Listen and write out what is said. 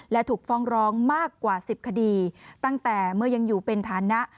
และถูกฟ้องร้องมากกว่า๑๐คดีตั้งแต่เมื่อยังอยู่เป็นฐานะ